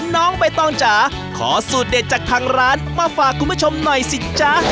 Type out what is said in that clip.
น้องใบตองจ๋าขอสูตรเด็ดจากทางร้านมาฝากคุณผู้ชมหน่อยสิจ๊ะ